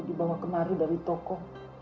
dibawa kemari dari toko